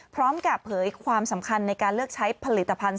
พร้อมกับเผยความสำคัญในการเลือกใช้ผลิตภัณฑ์